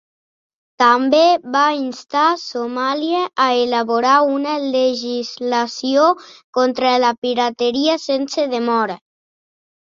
També va instar Somàlia a elaborar una legislació contra la pirateria sense demora.